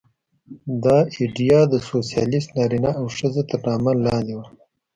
دا ایډیا د سوسیالېست نارینه او ښځه تر نامه لاندې وه